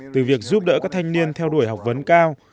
từ việc giúp đỡ các thanh niên theo đuổi học vấn cao